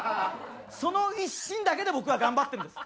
その一心だけで僕は頑張ってるんです。